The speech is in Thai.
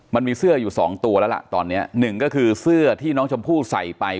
มันมีเสื้ออยู่สองตัวแล้วล่ะตอนเนี้ยหนึ่งก็คือเสื้อที่น้องชมพู่ใส่ไป